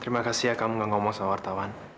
terima kasih ya kamu gak ngomong sama wartawan